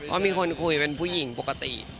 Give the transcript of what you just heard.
ก็มีคนคุยเป็นผู้หญิงปกติ